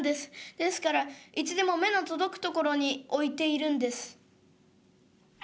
ですからいつでも目の届く所に置いているんです」。